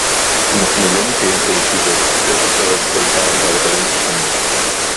אנחנו לא נקיים פה ישיבות שבע שעות כל פעם בארבעים חתימות